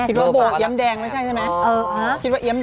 คิดว่าโบว์เยิ้มแดงแล้วใช่ไหม